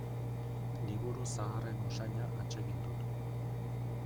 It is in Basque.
Liburu zaharren usaina atsegin dut.